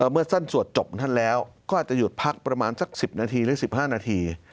เมื่อสั้นสวดจบของท่านแล้วก็อาจจะหยุดพักประมาณสัก๑๐นาทีหรือ๑๕นาที